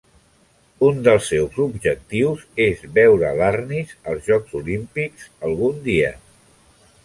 Un dels seus objectius és veure l'Arnis als Jocs Olímpics algun dia.